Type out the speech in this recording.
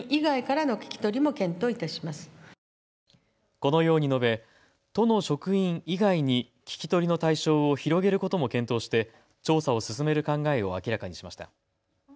このように述べ、都の職員以外に聞き取りの対象を広げることも検討して調査を進める考えを明らかにしました。